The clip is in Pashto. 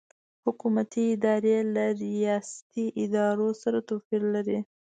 حکومتي ادارې له ریاستي ادارو سره توپیر لري.